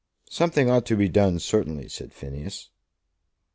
"Something ought to be done, certainly," said Phineas.